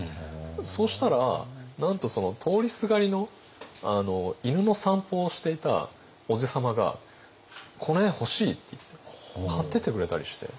そしたらなんと通りすがりの犬の散歩をしていたおじさまが「この絵欲しい」って言って買ってってくれたりして。